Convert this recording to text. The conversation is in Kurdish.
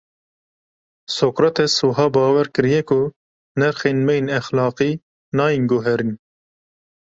Sokrates wiha bawer kiriye ku nirxên me yên exlaqî nayên guherîn.